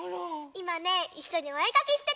いまねいっしょにおえかきしてたの！